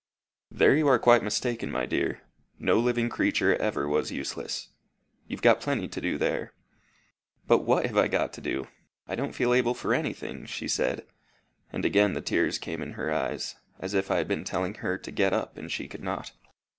"There you are quite mistaken, my dear. No living creature ever was useless. You've got plenty to do there." "But what have I got to do? I don't feel able for anything," she said; and again the tears came in her eyes, as if I had been telling her to get up and she could not.